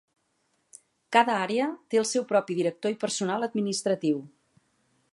Cada àrea té el seu propi director i personal administratiu.